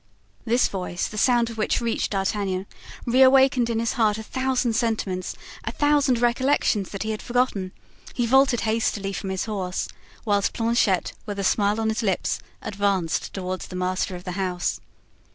This voice, the sound of which reached D'Artagnan, reawakened in his heart a thousand sentiments, a thousand recollections that he had forgotten. He vaulted hastily from his horse, whilst Planchet, with a smile on his lips, advanced toward the master of the house.